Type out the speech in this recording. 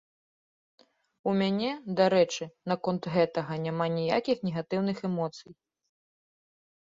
У мяне, дарэчы, наконт гэтага няма ніякіх негатыўных эмоцый.